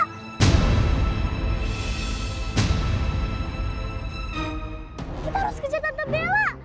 kita harus kejar tante bella